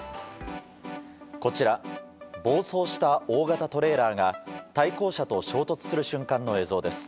こちら暴走した大型トレーラーが対向車と衝突する瞬間の映像です。